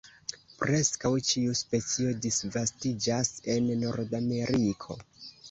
Preskaŭ ĉiu specio disvastiĝas en Nordameriko.